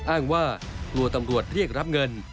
อ้างว่ากลัวตำรวจเรียกรับเงิน